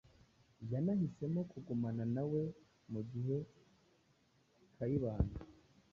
Yanahisemo kugumana na we mu gihe Kayibanda